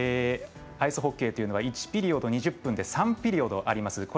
アイスホッケーというのは１ピリオド２０分で３ピリオドあります。